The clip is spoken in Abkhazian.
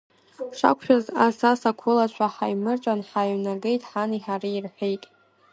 Ҳшақәшәаз ас, ас, ақәылацәа ҳаимырҵәан, ҳаиҩнагеит ҳани ҳареи, — рҳәеит.